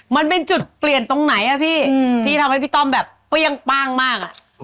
มันเป็นจุดเปลี่ยนตรงไหนอะพี่ที่ทำให้พี่ต้อมแบบเปรี้ยงป้างมาก